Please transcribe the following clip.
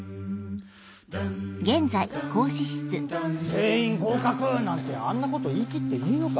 全員合格！なんてあんなこと言い切っていいのか？